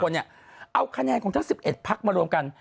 เอาคะแนนของทั้ง๑๑พักมารวมกัน